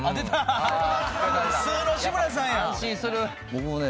僕もね